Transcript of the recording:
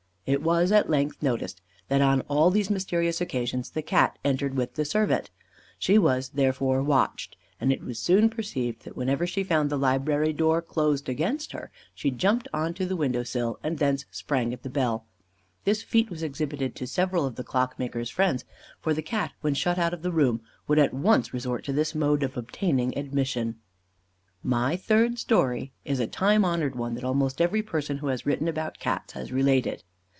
It was, at length, noticed that on all these mysterious occasions the Cat entered with the servant. She was, therefore, watched, and it was soon perceived that whenever she found the library door closed against her, she jumped on to the window sill, and thence sprang at the bell. This feat was exhibited to several of the clockmaker's friends, for the Cat when shut out of the room, would at once resort to this mode of obtaining admission. [Illustration: THE CUNNING CAT. Page 113.] My third story is a time honoured one that almost every person who has written about Cats has related.